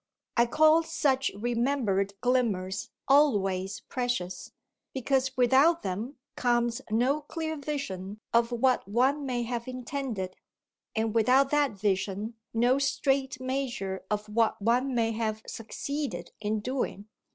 I call such remembered glimmers always precious, because without them comes no clear vision of what one may have intended, and without that vision no straight measure of what one may have succeeded in doing.